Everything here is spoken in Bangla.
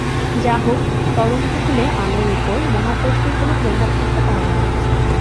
যাহোক, তরঙ্গ হলে আলোর উপর মহাকর্ষের কোন প্রভাব থাকতে পারেনা।